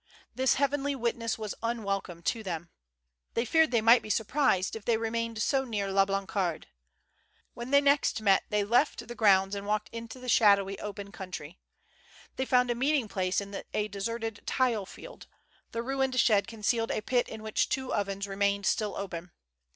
This heavenly witness was unwelcome to them. They feared they might be surprised if they remained so near La Blancarde. When they next met they left the grounds and walked into the shadowy open country. They found a meeting place in a deserted tile field ; the ruined shed concealed a pit in which two ovens remained still open.